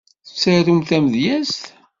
Tettarumt tamedyezt?